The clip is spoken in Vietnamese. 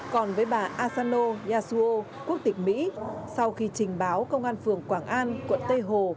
còn với bà asano yasuo quốc tịch mỹ sau khi trình báo công an phường quảng an quận tây hồ